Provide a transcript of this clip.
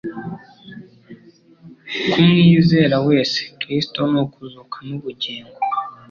Ku mwizera wese, Kristo ni ukuzuka n'ubugingo.